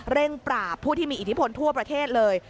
ปราบผู้ที่มีอิทธิพลทั่วประเทศเลย